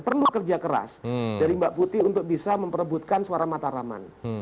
perlu kerja keras dari mbak putih untuk bisa memperebutkan suara mataraman